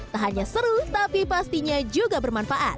tak hanya seru tapi pastinya juga bermanfaat